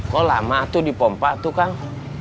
kok lama tuh dipompa tuh kang